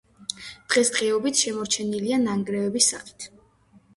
დღეს-დღეობით შემორჩენილია ნანგრევების სახით.